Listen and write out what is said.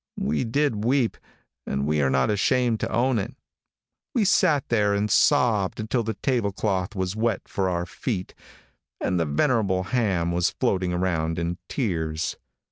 We did weep, and we are not ashamed to own it. We sat there and sobbed until the tablecloth was wet for four feet, and the venerable ham was floating around in tears.